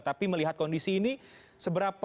tapi melihat kondisi ini seberapa